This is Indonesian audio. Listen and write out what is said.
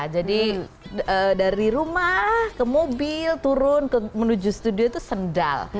jadi dari rumah ke mobil turun menuju studio itu sendal